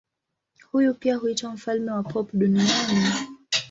Huyu pia huitwa mfalme wa pop duniani.